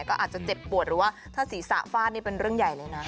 ก็อาจจะเจ็บปวดหรือว่าถ้าศีรษะฟาดนี่เป็นเรื่องใหญ่เลยนะ